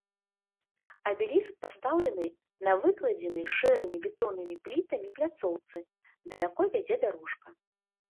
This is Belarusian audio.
Абеліск пастаўлены на выкладзенай шэрымі бетоннымі плітамі пляцоўцы, да якой вядзе дарожка.